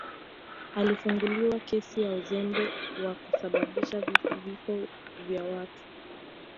alifunguliwa kesi ya uzembe wa kusababisha vifo vya watu